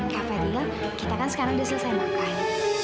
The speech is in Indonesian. kak fadil kita kan sekarang udah selesai makan